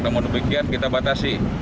namun demikian kita batasi